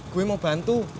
gue mau bantu